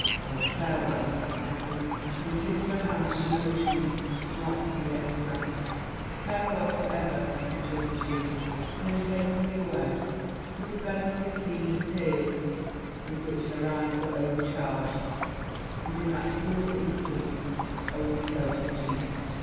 'Oh, farewel!' cried he, and kissed her hand with emotions not to be expressed. 'Farewel for ever!' rejoined she, turning hastily away to prevent his seeing the tears with which her eyes were overcharged, and in that cruel instant overflowed her cheeks.